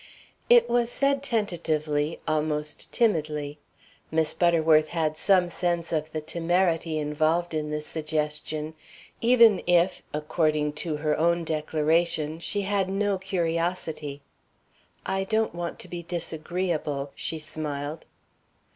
It was said tentatively, almost timidly. Miss Butterworth had some sense of the temerity involved in this suggestion even if, according to her own declaration, she had no curiosity. "I don't want to be disagreeable," she smiled.